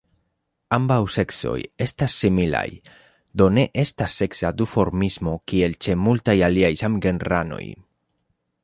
Ambaŭ seksoj estas similaj; do ne estas seksa duformismo kiel ĉe multaj aliaj samgenranoj.